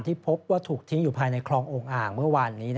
พบว่าถูกทิ้งอยู่ภายในคลององค์อ่างเมื่อวานนี้